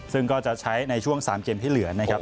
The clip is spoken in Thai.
ซึ่งก็จะใช้ในช่วง๓เกมที่เหลือนะครับ